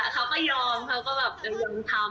เขาก็ยอมเขาก็แบบจะยนทำ